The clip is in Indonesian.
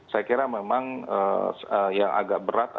saya kira memang yang agak berat